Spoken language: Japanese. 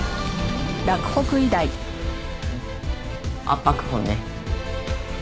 圧迫痕ね。